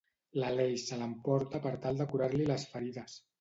L'Aleix se l'emporta per tal de curar-li les ferides.